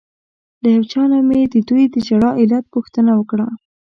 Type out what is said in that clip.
له یو چا نه مې ددوی د ژړا د علت پوښتنه وکړه.